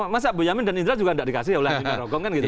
masa boyamin dan indra juga tidak dikasih ulang tahun